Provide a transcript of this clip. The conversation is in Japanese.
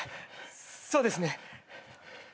そうですね。